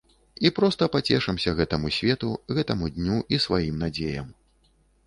І проста пацешымся гэтаму свету, гэтаму дню і сваім надзеям.